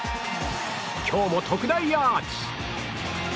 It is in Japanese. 今日も特大アーチ！